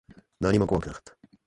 何も怖くなかった。